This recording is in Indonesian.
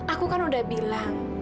aku kan udah bilang